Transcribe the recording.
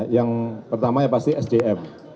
yang pertama ya pasti sdm